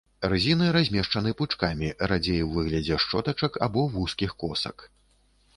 Рызіны размешчаны пучкамі, радзей у выглядзе шчотачак або вузкіх косак.